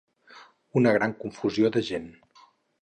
Una gran confusió de gent.